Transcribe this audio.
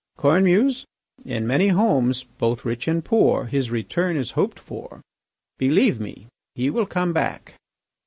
"Cornemuse, in many homes, both rich and poor, his return is hoped for. Believe me, he will come back."